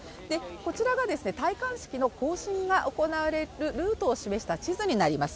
こちらが、戴冠式の行進が行われるルートを示した地図になります。